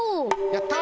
やった！